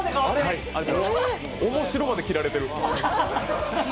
面白まで切られてる。